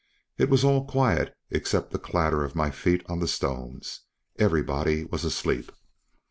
It was all quite still except the clatter of my feet on the stones everybody was asleep.